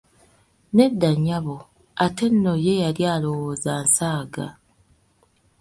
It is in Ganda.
Nedda nyabo, ate nno ye yali alowooza nsaaga.